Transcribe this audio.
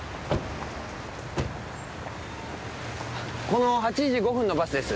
この８時５分のバスです。